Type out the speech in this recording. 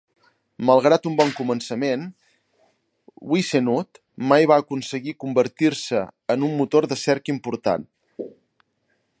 Malgrat un bon començament, WiseNut mai va aconseguir convertir-se en un motor de cerca important.